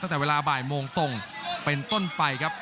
ตั้งแต่เวลาบ่ายโมงตรงเป็นต้นไปครับ